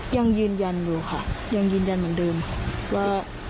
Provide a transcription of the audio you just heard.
ยังยืนยันอยู่ค่ะยังยืนยันเหมือนเดิมค่ะว่า